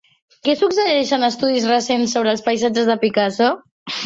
Què suggereixen estudis recents sobre els paisatges de Picasso?